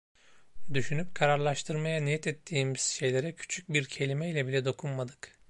Düşünüp kararlaştırmaya niyet ettiğimiz şeylere küçük bir kelimeyle bile dokunmadık.